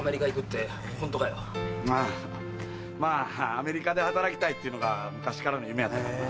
ああまぁアメリカで働きたいっていうのが昔からの夢やったからな。